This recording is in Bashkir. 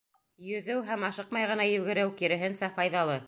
Йөҙөү һәм ашыҡмай ғына йүгереү, киреһенсә, файҙалы.